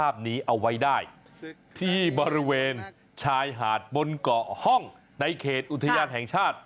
๑๐ปีแก้แค้นไม่สายนะ